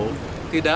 tidak ada masalah